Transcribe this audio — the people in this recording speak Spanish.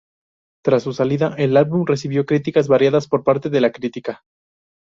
Tras su salida, el álbum recibió críticas variadas por parte de la crítica.